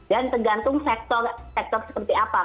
dan tergantung sektor seperti apa